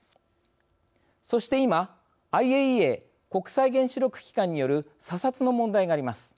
そして今ＩＡＥＡ国際原子力機関による査察の問題があります。